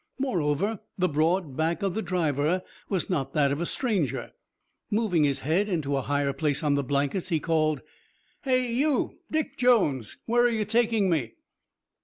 Moreover the broad back of the driver was not that of a stranger. Moving his head into a higher place on the blankets he called. "Hey you, Dick Jones, where are you taking me?"